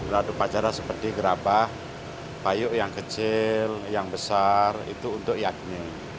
lalu pacara seperti gerabah payuk yang kecil yang besar itu untuk yakni